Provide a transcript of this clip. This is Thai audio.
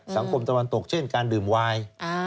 ตะวันตกเช่นการดื่มวาย